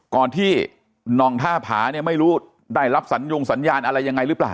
ก่อนที่นองท่าผาเนี่ยไม่รู้ได้รับสัญญงสัญญาณอะไรยังไงหรือเปล่า